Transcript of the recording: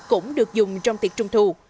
cũng được dùng trong tiệc trung thu